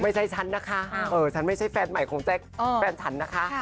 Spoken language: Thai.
ฉันนะคะฉันไม่ใช่แฟนใหม่ของแจ๊คแฟนฉันนะคะ